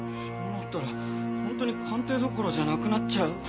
そうなったら本当に鑑定どころじゃなくなっちゃう。